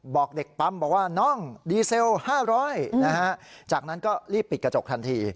บอกเด็กปั๊มบอกว่าน้องดีเซล๕๐๐จากนั้นก็รีบปิดกระจกทันที